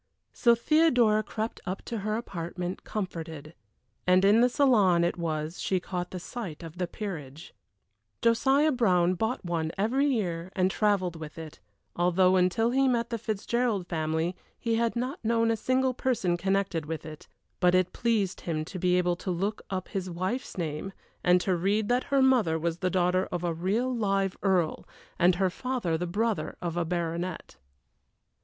So Theodora crept up to her apartment, comforted; and in the salon it was she caught sight of the Peerage. Josiah Brown bought one every year and travelled with it, although until he met the Fitzgerald family he had not known a single person connected with it; but it pleased him to be able to look up his wife's name, and to read that her mother was the daughter of a real live earl and her father the brother of a baronet.